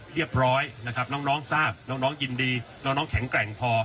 เรียบร้อยนะครับน้องน้องทราบน้องน้องยินดีน้องน้องแข็งแกร่งพอ